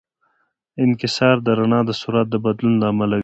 انکسار د رڼا د سرعت د بدلون له امله وي.